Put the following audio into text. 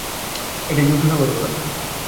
এটিই যুক্তিসঙ্গত কথা।